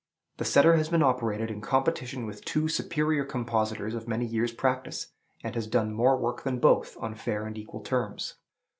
The setter has been operated in competition with two superior compositors of many years' practice, and has done more work than both, on fair and equal terms.